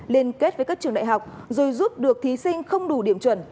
liên kết với các trường đại học rồi giúp được thí sinh không đủ điểm chuẩn